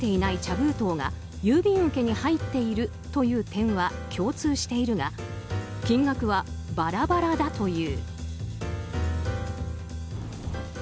封筒が郵便受けに入っているという点は共通しているが金額はバラバラだという。